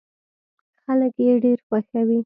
خلک يې ډېر خوښوي.